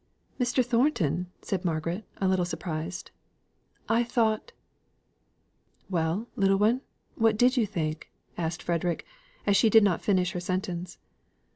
"Mr. Thornton!" said Margaret, a little surprised. "I thought " "Well, little one, what did you think?" asked Frederick, as she did not finish her sentence.